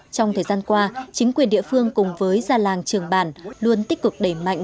trong thời gian qua chính quyền địa phương cùng với gia làng trường bản luôn tích cực đẩy mạnh